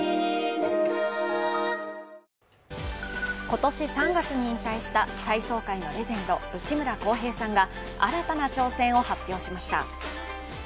今年３月に引退した体操界のレジェンド・内村航平さんが新たな挑戦を発表しました。